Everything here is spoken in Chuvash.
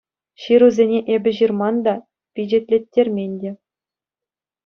— Ҫырусене эпӗ ҫырман та, пичетлеттермен те.